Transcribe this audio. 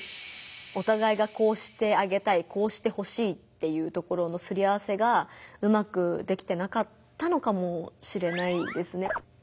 おたがいがこうしてあげたいこうしてほしいっていうところのすり合わせがうまくできてなかったのかもしれないですね。